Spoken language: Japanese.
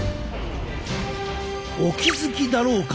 お気付きだろうか！